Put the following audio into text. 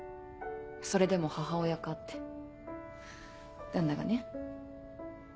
それでも母親かって旦那がね。